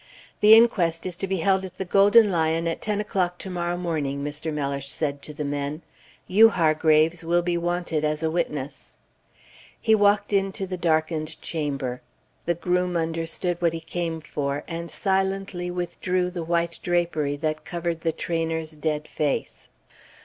"The inquest is to be held at the Golden Lion at ten o'clock to morrow morning," Mr. Mellish said to the men. "You, Hargraves, will be wanted as a witness." He walked into the darkened chamber. The groom understood what he came for, and silently withdrew the white drapery that covered the trainer's dead face.